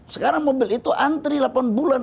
sekarang mobil itu antri delapan bulan